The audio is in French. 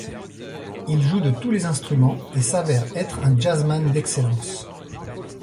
Il joue de tous les instruments et s’avère être un jazzman d'excellence.